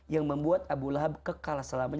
yang membuat abu lahab kekalah selamanya